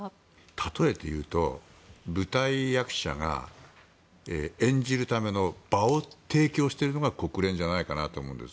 例えていうと舞台役者が演じるための場を提供しているのが国連じゃないかなと思うんです。